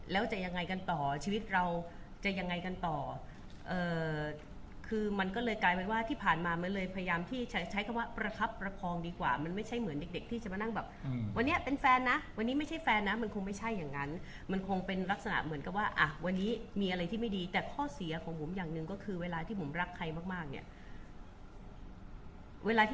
แล้วจะยังไงกันต่อชีวิตเราจะยังไงกันต่อคือมันก็เลยกลายเป็นว่าที่ผ่านมามันเลยพยายามที่ใช้ใช้คำว่าประคับประคองดีกว่ามันไม่ใช่เหมือนเด็กเด็กที่จะมานั่งแบบวันนี้เป็นแฟนนะวันนี้ไม่ใช่แฟนนะมันคงไม่ใช่อย่างนั้นมันคงเป็นลักษณะเหมือนกับว่าอ่ะวันนี้มีอะไรที่ไม่ดีแต่ข้อเสียของผมอย่างหนึ่งก็คือเวลาที่ผมรักใครมากมากเนี่ยเวลาที่